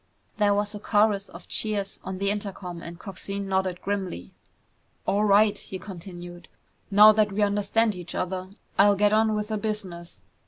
There was a chorus of cheers on the intercom and Coxine nodded grimly. "All right," he continued, "now that we understand each other, I'll get on with the business.